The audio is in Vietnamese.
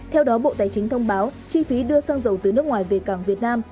theo đó bộ tài chính thông báo chi phí đưa xăng dầu từ nước ngoài về cảng việt nam